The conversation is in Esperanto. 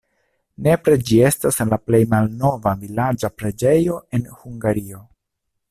Nepre ĝi estas la plej malnova vilaĝa preĝejo en Hungario.